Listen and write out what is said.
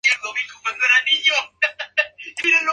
Tuvieron dos hijos: Ronnie y Gary.